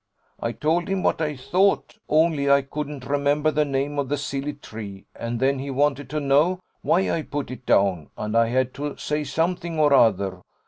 I told him what I thought; only I couldn't remember the name of the silly tree: and then he wanted to know why I put it down, and I had to say something or other.